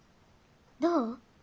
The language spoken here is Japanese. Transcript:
どう？